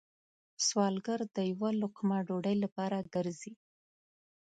سوالګر د یو لقمه ډوډۍ لپاره گرځي